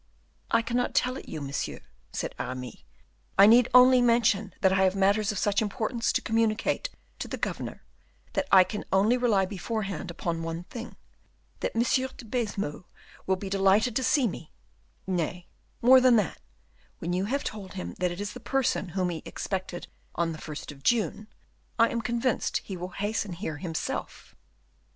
"I cannot tell it you, monsieur," said Aramis; "I need only mention that I have matters of such importance to communicate to the governor, that I can only rely beforehand upon one thing, that M. de Baisemeaux will be delighted to see me; nay, more than that, when you have told him that it is the person whom he expected on the first of June, I am convinced he will hasten here himself."